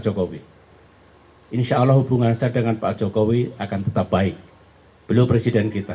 jokowi insya allah hubungan saya dengan pak jokowi akan tetap baik beliau presiden kita